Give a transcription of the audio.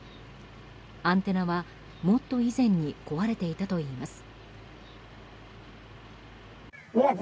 アンテナはもっと以前に壊れていたといいます。